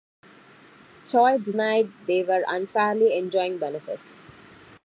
Choi denied they were unfairly enjoying benefits.